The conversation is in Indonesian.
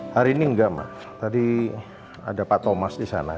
hari ini enggak mas tadi ada pak thomas di sana